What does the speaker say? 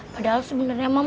padahal sebenarnya moms bohong